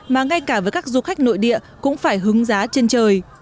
mà ngay cả với các du khách nội địa cũng phải hứng giá trên trời